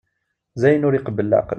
D ayen ur iqebbel leεqel.